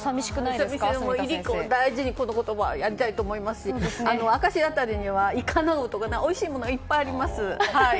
いりこ大事に、この言葉でいきたいと思いますし明石辺りにはおいしいものがいっぱいあります。